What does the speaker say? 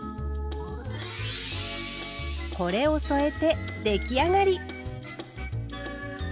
これを添えて出来上がり！